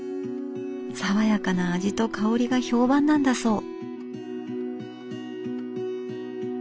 爽やかな味と香りが評判なんだそう。